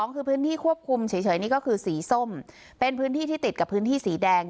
คือพื้นที่ควบคุมเฉยนี่ก็คือสีส้มเป็นพื้นที่ที่ติดกับพื้นที่สีแดง